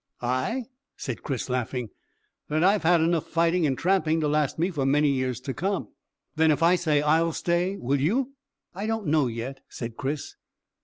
"I?" said Chris, laughing. "That I've had enough fighting and tramping to last me for many years to come." "Then if I say I'll stay, will you?" "I don't know yet," said Chris.